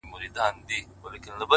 • تمدن او تاریخي افتخاراتو مرکز ,